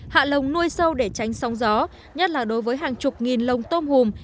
hạ lồng nuôi sâu để tránh sóng gió nhất là đối với hàng chục nghìn lồng tôm hùm